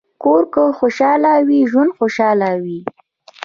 کور که خوشحال وي، ژوند خوشحال وي.